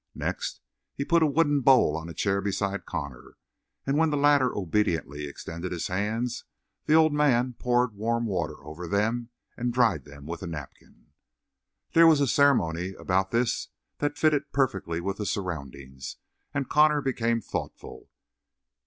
Next he put a wooden bowl on a chair beside Connor, and when the latter obediently extended his hands, the old man poured warm water over them and dried them with a napkin. There was a ceremony about this that fitted perfectly with the surroundings, and Connor became thoughtful.